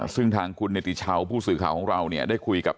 ซึ่งทางคุณเนติชาวผู้สื่อข่าวของเราเนี่ยได้คุยกับ